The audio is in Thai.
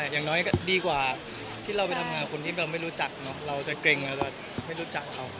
อย่างน้อยก็ดีกว่าที่เราไปทำงานคนที่เราไม่รู้จักเนอะเราจะเกรงเราจะไม่รู้จักเขา